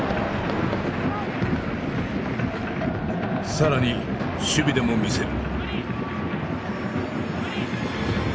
更に守備でも魅せる。